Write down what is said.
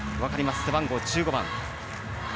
背番号１５番。